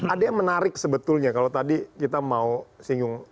ada yang menarik sebetulnya kalau tadi kita mau singgung